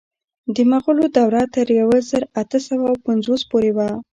د مغولو دوره تر یو زر اته سوه اوه پنځوس پورې وه.